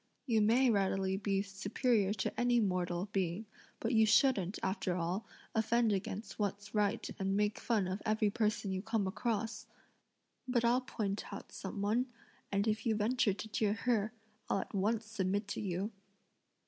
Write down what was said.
You may readily be superior to any mortal being, but you shouldn't, after all, offend against what's right and make fun of every person you come across! But I'll point out some one, and if you venture to jeer her, I'll at once submit to you."